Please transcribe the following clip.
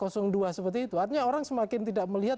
seperti itu artinya orang semakin tidak melihat